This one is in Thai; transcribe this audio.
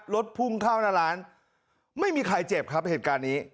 รถพุ่งเข้าหน้าร้านไม่มีใครเจ็บครับเหตุการณ์นี้